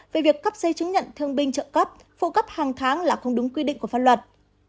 về việc cấp giấy chứng nhận thương binh trợ cấp phụ cấp hàng tháng là không đúng quy định của pháp luật